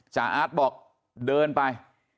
จาอาทบอกเดินไป